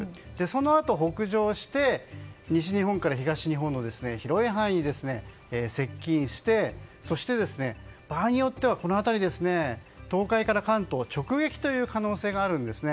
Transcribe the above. そのあと、北上して西日本から東日本の広い範囲に接近してそして、場合によっては東海から関東を直撃という可能性もあります。